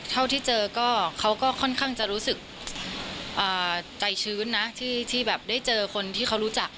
เท่าที่เจอก็เขาก็ค่อนข้างจะรู้สึกใจชื้นนะที่แบบได้เจอคนที่เขารู้จัก